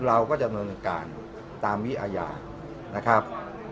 เราก็ดำเนินการตามวิอาญานะครับ